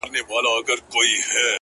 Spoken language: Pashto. o زړه یوسې او پټ یې په دسمال کي کړې بدل؛